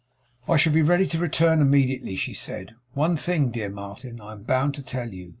'I shall be ready to return immediately,' she said. 'One thing, dear Martin, I am bound to tell you.